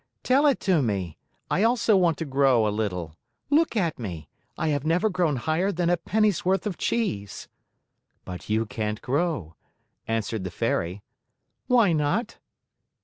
"Tell it to me. I also want to grow a little. Look at me! I have never grown higher than a penny's worth of cheese." "But you can't grow," answered the Fairy. "Why not?"